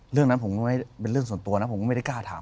เรื่องนั้นผมก็เป็นเรื่องส่วนตัวนะผมก็ไม่ได้กล้าถาม